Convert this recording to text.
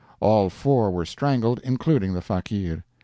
All four were strangled, including the fakeer.